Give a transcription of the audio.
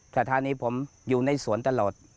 สถานีผมอยู่ในสวนตลอด